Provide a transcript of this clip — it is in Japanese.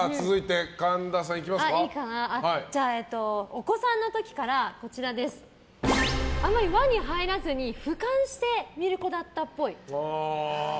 お子さんの時からあんまり輪に入らずに俯瞰して見る子だったっぽい。